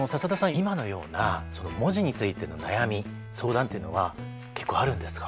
今のような文字についての悩み相談っていうのは結構あるんですか？